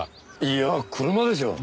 いやぁ車でしょう。